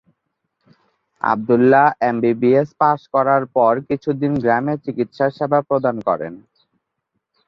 Abdullah MBBS pass করার পর কিছুদিন গ্রামে চিকিৎসা সেবা প্রদান করেন।